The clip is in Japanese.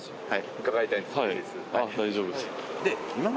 はい。